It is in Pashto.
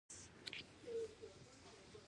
د سینګار توکي په لرغونو قبرونو کې موندل شوي